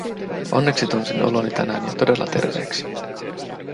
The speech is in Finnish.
Onneksi tunsin oloni tänään jo todella terveeksi.